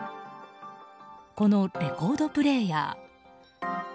このレコードプレーヤー。